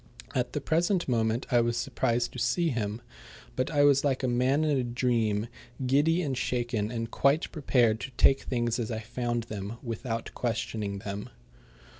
At the present moment I was surprised to see him, but I was like a man in a dream, giddy and shaken and quite prepared to take things as I found them without questioning them.